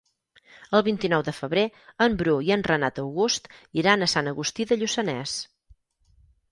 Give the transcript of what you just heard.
El vint-i-nou de febrer en Bru i en Renat August iran a Sant Agustí de Lluçanès.